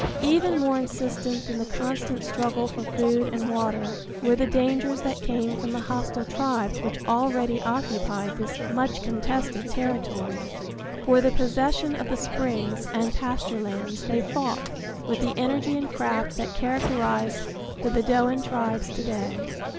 Even more insistent than the constant struggle for food and water were the dangers that came from the hostile tribes which already occupied this much contested territory. For the possession of the springs and pasture lands they fought with the energy and craft that characterize the Bedouin tribes to day.